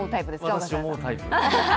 私は思うタイプ。